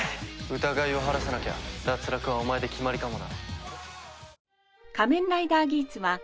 疑いを晴らせなきゃ脱落はお前で決まりかもな。